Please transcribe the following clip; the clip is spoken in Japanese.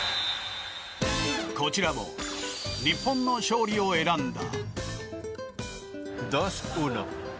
こちらも日本の勝利を選んだ。